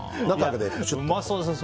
うまそうですね。